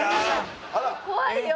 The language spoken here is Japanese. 怖いよ！